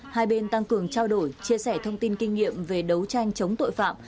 hai bên tăng cường trao đổi chia sẻ thông tin kinh nghiệm về đấu tranh chống tội phạm